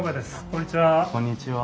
こんにちは。